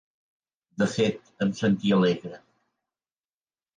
De fet, em sentia alegre.